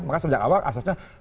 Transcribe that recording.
maka sejak awal asasnya